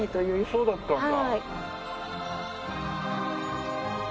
そうだったんだ。